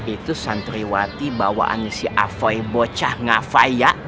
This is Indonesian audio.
itu santriwati bawaannya si afoy bocah ngafaiya